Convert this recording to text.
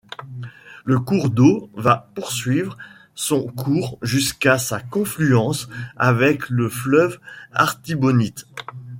Le cours d'eau va poursuivre son cours jusqu'à sa confluence avec le fleuve Artibonite.